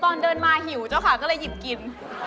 ตอนเดินมาหิวเจ้าขาก็เลยหยิบกิน